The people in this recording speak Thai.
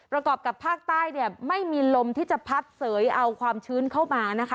กรอบกับภาคใต้เนี่ยไม่มีลมที่จะพัดเสยเอาความชื้นเข้ามานะคะ